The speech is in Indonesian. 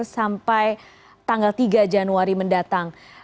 sampai tanggal tiga januari mendatang